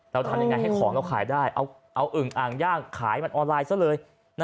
ทำยังไงให้ของเราขายได้เอาอึ่งอ่างย่างขายมันออนไลน์ซะเลย